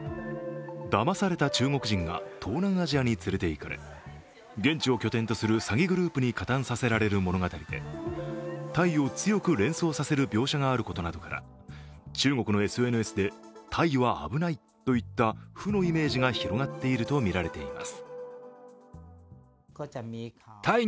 だまされた中国人が東南アジアに連れていかれ、現地を拠点とする詐欺グループに加担させられる物語でタイを強く連想させる描写があることなどから中国のＳＮＳでタイは危ないといった負のイメージが広がっているとみられています。